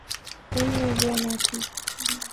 ان میں وہ نہ تھی۔